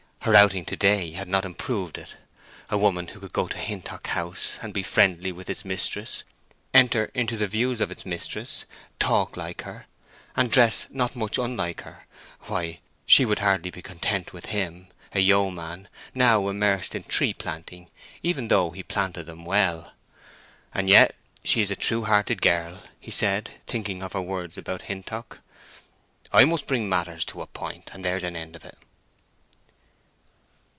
Her outing to day had not improved it. A woman who could go to Hintock House and be friendly with its mistress, enter into the views of its mistress, talk like her, and dress not much unlike her, why, she would hardly be contented with him, a yeoman, now immersed in tree planting, even though he planted them well. "And yet she's a true hearted girl," he said, thinking of her words about Hintock. "I must bring matters to a point, and there's an end of it."